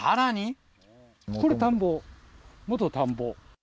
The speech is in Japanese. これ、田んぼ、元田んぼ。